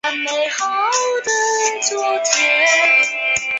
酱油店的店员德兵卫和游女阿初是一对情侣。